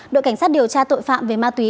đội cảnh sát điều tra tội phạm về ma túy